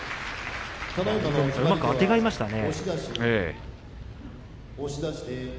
うまくあてがいましたね。